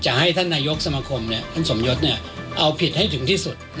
ให้ท่านนายกสมคมท่านสมยศเอาผิดให้ถึงที่สุด